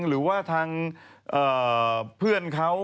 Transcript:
หรือว่าทางเพื่อนเขา